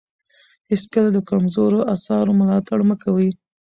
هېڅکله د کمزورو اثارو ملاتړ مه کوئ.